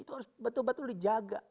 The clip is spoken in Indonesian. itu harus betul betul dijaga